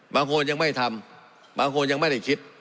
บางคนยังไม่ทำบางคนยังไม่ได้คิด